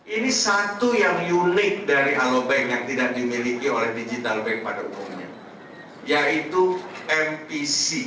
ini satu yang unik dari alobank yang tidak dimiliki oleh digital bank pada umumnya yaitu mpc